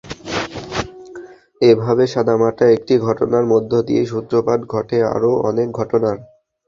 এভাবে সাদামাটা একটি ঘটনার মধ্য দিয়েই সূত্রপাত ঘটে আরও অনেক ঘটনার।